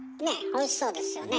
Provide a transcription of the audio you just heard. おいしそうですよね。